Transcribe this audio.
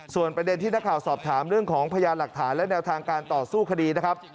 ส่วนประเด็นที่นักข่าวสอบถามเรื่องของพยานหลักฐานและแนวทางการต่อสู้คดีนะครับ